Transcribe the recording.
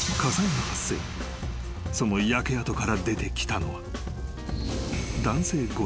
［その焼け跡から出てきたのは］